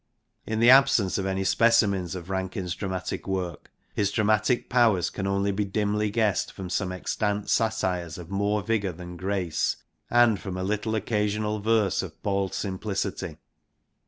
In the absence of any specimen of Rankins' dramatic work, his dramatic powers can only be dimly guessed from some extant satires of more vigour than grace, and from a little occasional verse of bald simplicity.